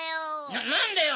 ななんだよ。